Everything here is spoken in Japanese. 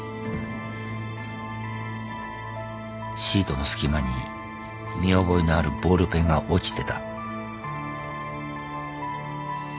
シートの隙間に見覚えのあるボールペンが落ちてた。